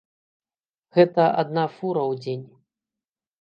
Гэта адна фура ў дзень.